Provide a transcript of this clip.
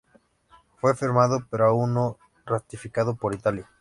Fue firmado, pero aún no ratificado, por Italia.